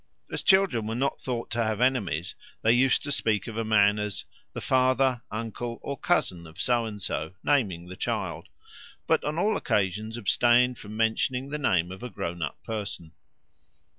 As children were not thought to have enemies, they used to speak of a man as 'the father, uncle, or cousin of So and so,' naming a child; but on all occasions abstained from mentioning the name of a grown up person."